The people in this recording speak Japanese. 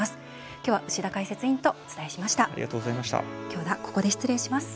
今日は牛田解説委員とお伝えしました。